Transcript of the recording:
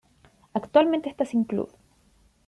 Actualmente está sin club.